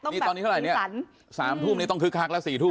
นี่ตอนนี้เท่าไหร่เนี่ย๓ทุ่มนี้ต้องคึกคักแล้ว๔ทุ่ม